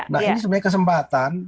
nah ini sebenarnya kesempatan